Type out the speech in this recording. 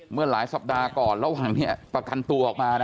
เมื่อหลายสัปดาห์ก่อนระหว่างนี้ประกันตัวออกมานะ